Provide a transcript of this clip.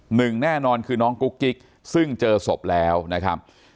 หนึ่งแน่นอนคือน้องกุ๊กกิ๊กซึ่งเจอศพแล้วนะครับ